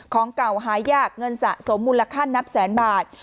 ของเก่าหายากเงินสะสมมูลค่านับแสนบาท